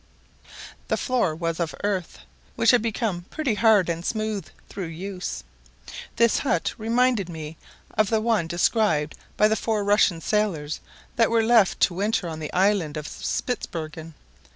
The floor was of earth, which had become pretty hard and smooth through use. This hut reminded me of the one described by the four Russian sailors that were left to winter on the island of Spitzbergen.